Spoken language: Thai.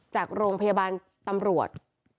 จากโรงพยาบาลตำรวจ